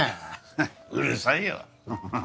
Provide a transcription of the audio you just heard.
ハッうるさいよ。